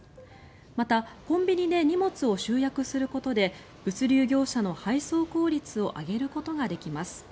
また、コンビニで荷物を集約することで物流業者の配送効率を上げることができます。